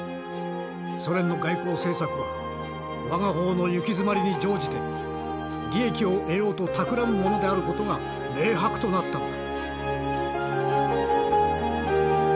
ソ連の外交政策は我が方の行き詰まりに乗じて利益を得ようとたくらむ者である事が明白となったのだ」。